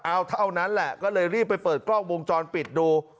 เอาเท่านั้นแหละก็เลยรีบไปเปิดกล้องวงจรปิดดู